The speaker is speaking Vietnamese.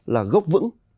là gốc vững